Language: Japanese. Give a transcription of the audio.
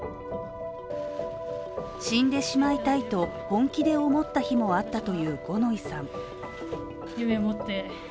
死んでしまいたいと本気で思った日もあったという五ノ井さん。